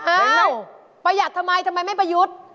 อ้าวประหยัดทำไมทำไมไม่ประยุทธ์